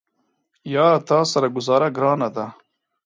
یاره تاسره ګوزاره ګرانه ده